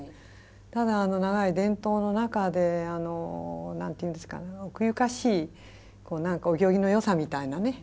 ただ長い伝統の中で何て言うんですか奥ゆかしい何かお行儀のよさみたいなね